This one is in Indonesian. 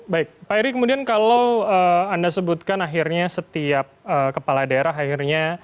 baik pak eri kemudian kalau anda sebutkan akhirnya setiap kepala daerah akhirnya